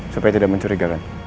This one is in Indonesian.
supaya tidak mencurigakan